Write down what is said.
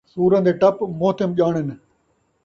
سوّراں دے ٹپ مہتم ڄاݨݨ